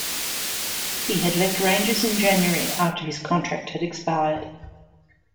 He had left Rangers in January after his contract had expired.